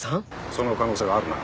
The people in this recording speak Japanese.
その可能性はあるな